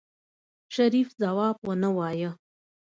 شريف ځواب ونه وايه.